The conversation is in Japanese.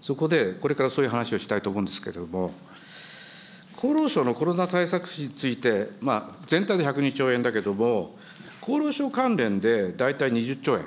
そこで、これから総理、話をしたいと思うんですけれども、厚労省のコロナ対策費について、全体は１０２兆円だけれども、厚労省関連で大体２０兆円。